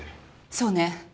そうね。